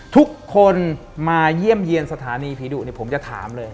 ทุกคนมาเยี่ยมเยี่ยมสถานีผีดุผมจะถามเลย